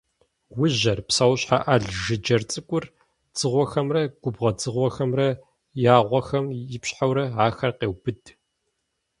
Ужьэр, псэущхьэ ӏэл жыджэр цӏыкӏур, дзыгъуэхэмрэ губгъуэ дзыгъуэхэмрэ я гъуэхэм ипщхьэурэ ахэр къеубыд.